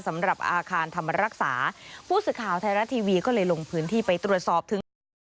สำหรับอาคารทำรักษาผู้สึกข่าวไทยรัตน์ทีวีก็เลยลงพื้นที่ไปตรวจสอบถึง